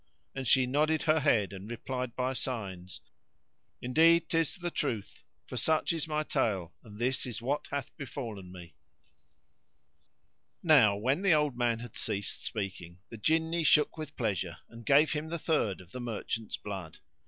And she nodded her head and replied by signs, "Indeed, 'tis the truth: for such is my tale and this is what hath befallen me." Now when the old man had ceased speaking the Jinni shook with pleasure and gave him the third of the merchant's blood.